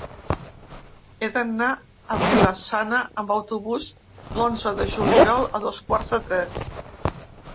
He d'anar a Vila-sana amb autobús l'onze de juliol a dos quarts de tres.